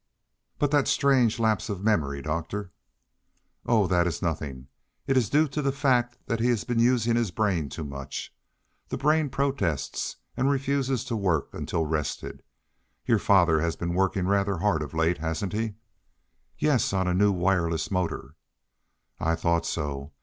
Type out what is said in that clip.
"But that strange lapse of memory, doctor?" "Oh, that is nothing. It is due to the fact that he has been using his brain too much. The brain protests, and refuses to work until rested. Your father has been working rather hard of late hasn't he?" "Yes; on a new wireless motor." "I thought so.